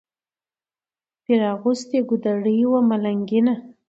پیر اغوستې ګودړۍ وه ملنګینه